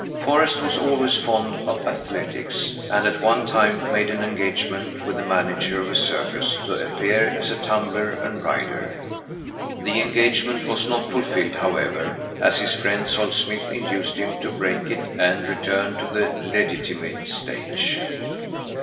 Forrest was always fond of athletics and at one time made an engagement with the manager of a circus to appear as a tumbler and rider. The engagement was not fulfilled, however, as his friend Sol Smith induced him to break it and return to the legitimate stage.